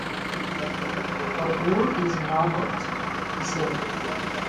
“But who is Margot?” he said.